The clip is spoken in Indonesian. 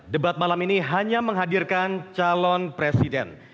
debat malam ini hanya menghadirkan calon presiden